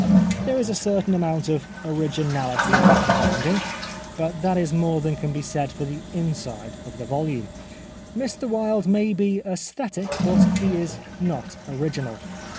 There is a certain amount of originality about the binding, but that is more than can be said for the inside of the volume. Mr Wilde may be aesthetic, but he is not original.